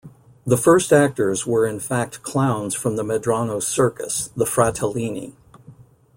The first actors were in fact clowns from the Medrano circus, the Fratellini.